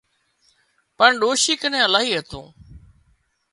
پڻ ڏوشي ڪنين الاهي هتون